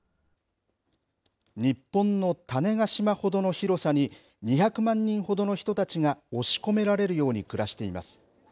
日本の種子島ほどの広さに２００万人ほどの人たちが押し込められるように暮らしています。